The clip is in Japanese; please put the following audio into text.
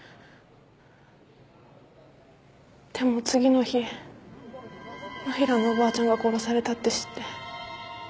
でも次の日野平のおばあちゃんが殺されたって知って。